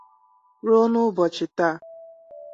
ruo n'ụbọchị taa